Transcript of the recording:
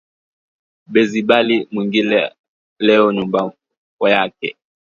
Bezi bali mwingilia leo munyumba yake